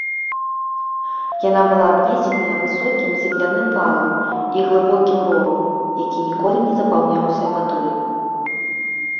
Яна была абнесеная высокім земляным валам і глыбокім ровам, які ніколі не запаўняўся вадой.